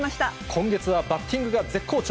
今月はバッティングが絶好調。